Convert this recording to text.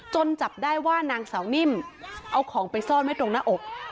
จับได้ว่านางสาวนิ่มเอาของไปซ่อนไว้ตรงหน้าอก